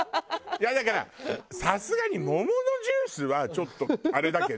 いやだからさすがに桃のジュースはちょっとあれだけど。